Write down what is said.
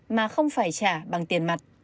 mà không phải trả bằng tiền mặt